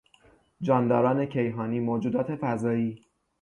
جانداران کیهانی، موجودات فضایی